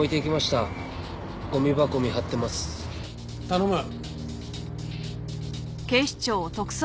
頼む。